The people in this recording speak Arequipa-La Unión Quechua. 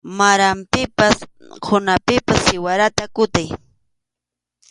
Maranpipas qhunapipas siwarata kutay.